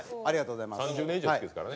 ありがとうございます。